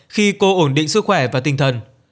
khi cô ổn định sức khỏe và sức khỏe